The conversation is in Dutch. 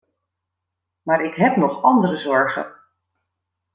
Maar ik heb nog andere zorgen.